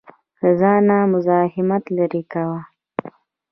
له ځانه مزاحمت لرې کاوه.